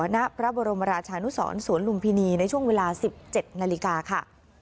เจ้าเจ้าอยู่หัวณพระบรมราชานุศรสวนลุมพินีในช่วงเวลา๑๗นาฬิกาค่ะ